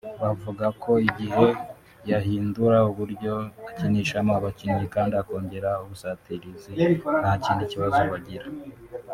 Bavuga ko mu gihe yahindura uburyo akinishamo abakinnyi kandi akongera ubusatirizi nta kindi kibazo bagira